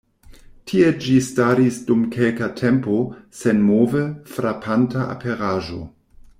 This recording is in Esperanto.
Tie ĝi staris dum kelka tempo, senmove; frapanta aperaĵo.